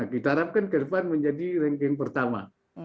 kita harapkan ke depan menjadi ranking pertama